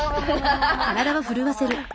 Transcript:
ハハハハッ！